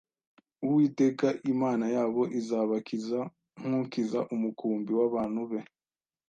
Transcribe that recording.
Uwiteka Imana yabo izabakiza nk’ukiza umukumbi w’abantu be